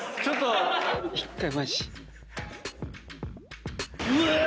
１回マジ。